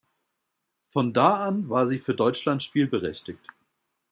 Von da an war sie für Deutschland spielberechtigt.